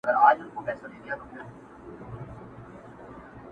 چي راضي راڅخه روح د خوشحال خان سي؛